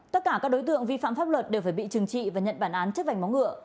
tất cả các đối tượng vi phạm pháp luật đều phải bị trừng trị và nhận bản án trước vành máu ngựa